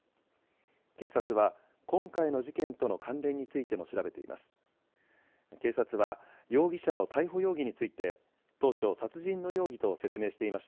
警察は今回の事件との関連についても調べています。